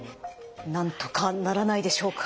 なんとかならないでしょうか。